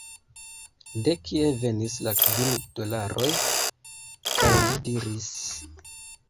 De kie venis la kvin dolaroj? kaj li diris: